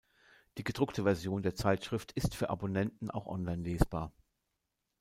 Die gedruckte Version der Zeitschrift ist für Abonnenten auch online lesbar.